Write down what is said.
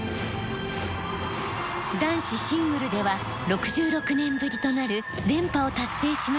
男子シングルでは６６年ぶりとなる連覇を達成しました。